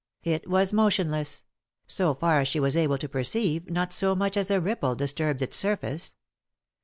It was motionless; so far as she was able to perceive, not so much as a ripple disturbed its surface.